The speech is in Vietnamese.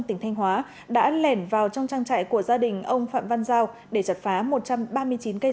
tỉnh thanh hóa đã lẻn vào trong trang trại của gia đình ông phạm văn giao để chặt phá một trăm ba mươi chín cây